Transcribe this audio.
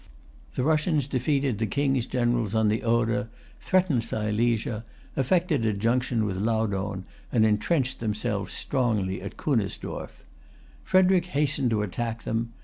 The Russians defeated the King's generals on the Oder, threatened Silesia, effected a junction with Laudohn, and entrenched themselves strongly at Kunersdorf. Frederic hastened to attack them.